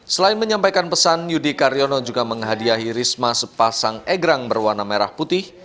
selain menyampaikan pesan yudi karyono juga menghadiahi risma sepasang egrang berwarna merah putih